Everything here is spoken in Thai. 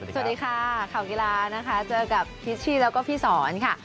สวัสดีค่ะข่าวกีฬานะคะเจอกับพิชชี่แล้วก็พี่สอนค่ะ